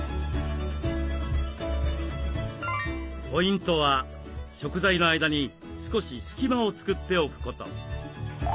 ポイントは食材の間に少し隙間をつくっておくこと。